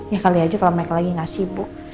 ya kali aja kalo mereka lagi nggak sibuk